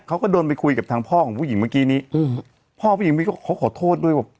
เขาก็โดนไปคุยกับทางพ่อของผู้หญิงเมื่อกี้นี้อืมพ่อผู้หญิงพี่ก็เขาขอโทษด้วยบอก